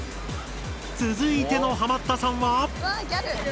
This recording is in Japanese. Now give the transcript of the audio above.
続いてのハマったさんは。わギャル！